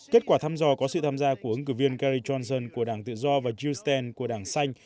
kết quả thăm dò có sự tham gia của ứng cử viên gary johnson của đảng tự do và jill sten của đảng xanh